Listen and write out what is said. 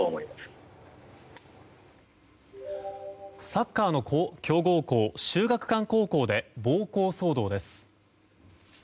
サッカーの強豪校秀岳館高校で暴行騒動です。